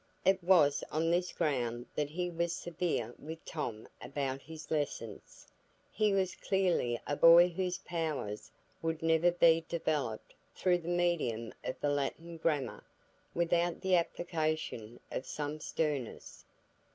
It was on this ground that he was severe with Tom about his lessons; he was clearly a boy whose powers would never be developed through the medium of the Latin grammar, without the application of some sternness.